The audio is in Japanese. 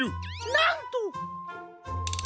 なんと！